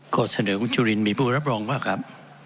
ข้อเสนอคุณจุลินมีผู้รับรองว่าครับ